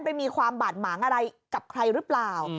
มีความบาดหมางอะไรกับใครหรือเปล่า